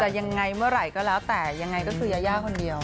แต่ยังไงเมื่อไหร่ก็แล้วแต่ยังไงก็คือยายาคนเดียว